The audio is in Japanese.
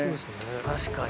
確かに。